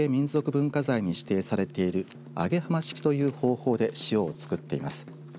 文化財に指定されている揚浜式という方法で塩を作っています。